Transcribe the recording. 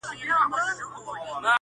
لکه شمع بلېده په انجمن کي!.